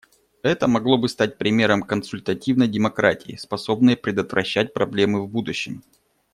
Это могло бы стать примером консультативной демократии, способной предотвращать проблемы в будущем.